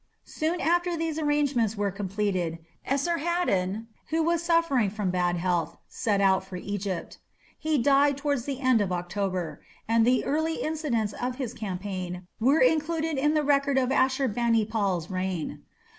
Soon after these arrangements were completed Esarhaddon, who was suffering from bad health, set out for Egypt. He died towards the end of October, and the early incidents of his campaign were included in the records of Ashur bani pal's reign.